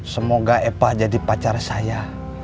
semoga epa jadi pacar saya